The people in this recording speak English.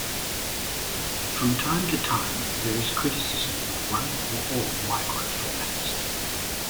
From time to time, there is criticism of one, or all, microformats.